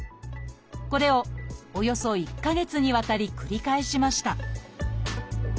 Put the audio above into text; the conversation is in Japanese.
これをおよそ１か月にわたり繰り返しました